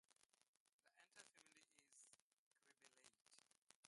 The entire family is cribellate.